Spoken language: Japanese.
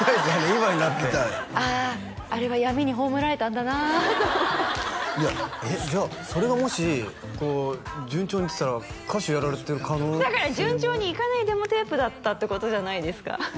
今になって聴きたいあああれは闇に葬られたんだなあとじゃあそれがもし順調にいってたら歌手やられてる可能性もだから順調にいかないデモテープだったってことじゃないですか？